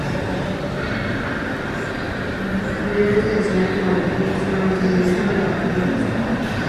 Las variedades tradicionales de manzanilla son la "manzanilla fina" y la "manzanilla pasada".